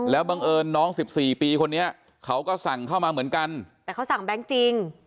แล้วบังเอิญน้อง๑๔ปีคนนี้เขาก็สั่งเข้ามาเหมือนกันแต่เขาสั่งแบงค์จริง